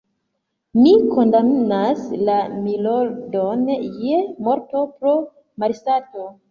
Mi kondamnas la _milordon_ je morto pro malsato.